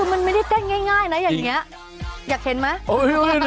คือมันไม่ได้เต้นง่ายนะอย่างนี้อยากเห็นไหม